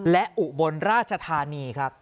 และอุบลราชธานีครับ